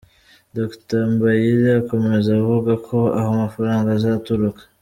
Dr. Mbayire akomeza avuga ko aho amafaranga azaturuka